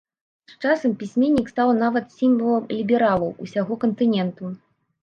З часам пісьменнік стаў нават сімвалам лібералаў усяго кантыненту.